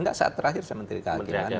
tidak saat terakhir saya menteri kehakiman